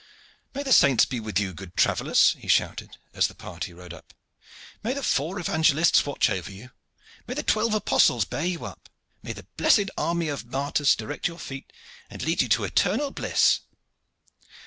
"May the saints be with you, good travellers!" he shouted, as the party rode up. "May the four Evangelists watch over you! May the twelve Apostles bear you up! May the blessed army of martyrs direct your feet and lead you to eternal bliss!"